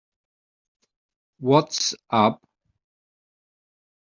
What's up?